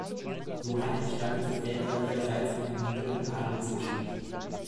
Johann entstammte väterlicherseits einem niederen Adelsgeschlecht.